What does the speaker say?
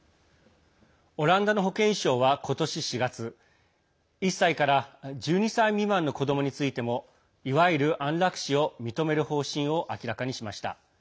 オランダの保健省は今年４月１歳から１２歳未満の子どもについてもいわゆる安楽死を認める方針を明らかにしました。